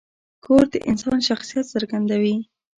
کور د انسان شخصیت څرګندوي.